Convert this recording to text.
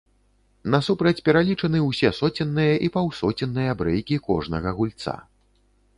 Насупраць пералічаны ўсе соценныя і паўсоценныя брэйкі кожнага гульца.